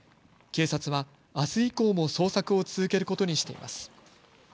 警察はあす以降も捜索を続けることにしています。